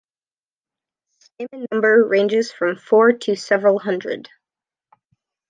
Stamen number ranges from four to several hundred.